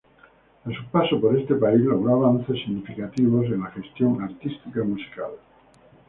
A su paso por este país logró avances significativos en la gestión artística musical.